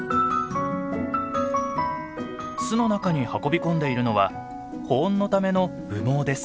巣の中に運び込んでいるのは保温のための羽毛です。